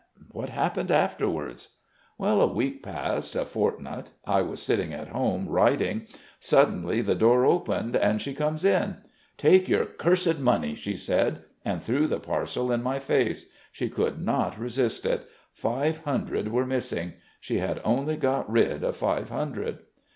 And what happened afterwards?" "A week passed, a fortnight.... I was sitting at home writing. Suddenly, the door opened and she comes in. 'Take your cursed money,' she said, and threw the parcel in my face.... She could not resist it.... Five hundred were missing. She had only got rid of five hundred."